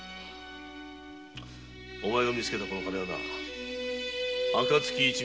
お前が見つけたこの金はな暁一味の隠し金だ。